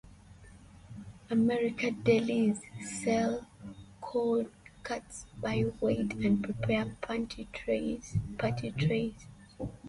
American delis sell cold cuts by weight and prepare party trays.